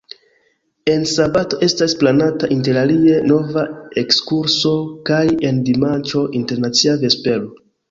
En sabato estas planata interalie nova ekskurso, kaj en dimanĉo internacia vespero.